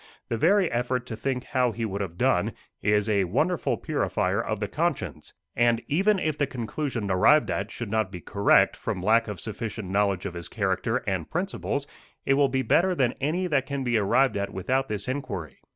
The very effort to think how he would have done, is a wonderful purifier of the conscience, and, even if the conclusion arrived at should not be correct from lack of sufficient knowledge of his character and principles, it will be better than any that can be arrived at without this inquiry.